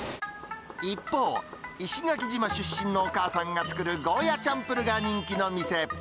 一方、石垣島出身のお母さんが作るゴーヤチャンプルが人気の店。